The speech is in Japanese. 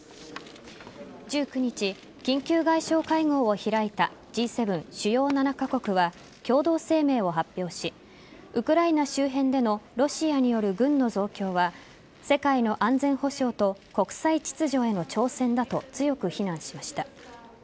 １９日、緊急外相会合を開いたＧ７＝主要７カ国は共同声明を発表しウクライナ周辺でのロシアによる軍の増強は世界の安全保障と国際秩序への挑戦だと強く非難しました。